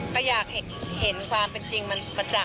ก็อยากเห็นความเป็นจริงมาจาก